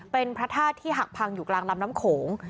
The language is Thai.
เป็นพระธาตุที่หักพังอยู่กลางลำน้ำโขง